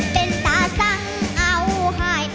เป็นตาสั่งเอาหาย